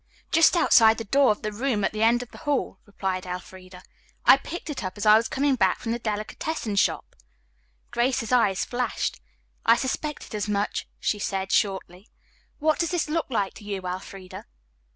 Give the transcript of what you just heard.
"Just outside the door of the room at the end of the hall," replied Elfreda. "I picked it up as I was coming back from the delicatessen shop." Grace's eyes flashed. "I suspected as much," she said shortly. "What does this look like to you, Elfreda?"